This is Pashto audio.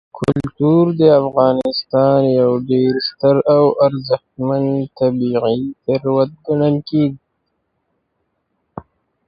کلتور د افغانستان یو ډېر ستر او ارزښتمن طبعي ثروت ګڼل کېږي.